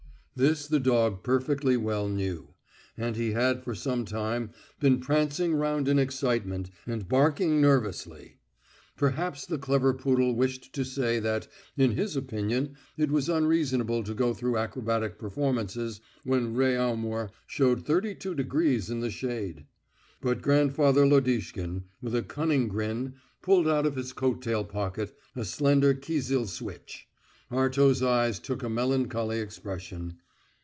This the dog perfectly well knew, and he had for some time been prancing round in excitement, and barking nervously. Perhaps the clever poodle wished to say that, in his opinion, it was unreasonable to go through acrobatic performances when Réaumur showed thirty two degrees in the shade. But grandfather Lodishkin, with a cunning grin, pulled out of his coat tail pocket a slender kizil switch. Arto's eyes took a melancholy expression.